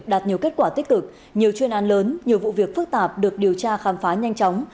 đạt nhiều kết quả tích cực nhiều chuyên an lớn nhiều vụ việc phức tạp được điều tra khám phá nhanh chóng